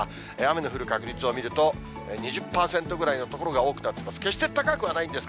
雨の降る確率を見ると、２０％ぐらいの所が多くなっています。